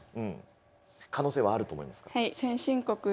可能性はあると思いますか。